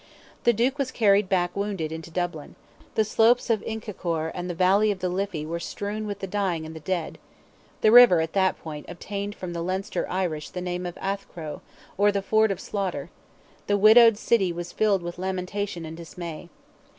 The Duke was carried back wounded into Dublin; the slopes of Inchicore and the valley of the Liffey were strewn with the dying and the dead; the river at that point obtained from the Leinster Irish the name of Athcroe, or the ford of slaughter; the widowed city was filled with lamentation and dismay.